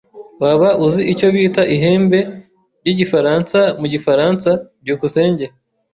Waba uzi icyo bita ihembe ryigifaransa mugifaransa? byukusenge